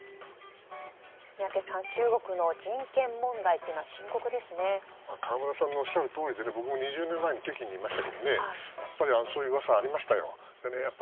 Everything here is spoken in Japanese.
宮家さん中国の人権問題というのは河村さんがおっしゃるとおりで僕も２０年前に北京にいましたけどそういううわさはありましたよ。